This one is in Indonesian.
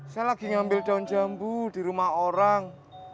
saya lagi ngambil daun jambu di rumah orang